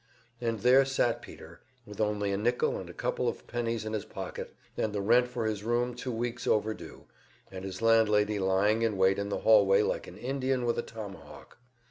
And there sat Peter, with only a nickel and a couple of pennies in his pocket, and the rent for his room two weeks over due, and his landlady lying in wait in the hallway like an Indian with a tomahawk.